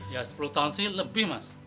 ya sepuluh tahun sih lebih mas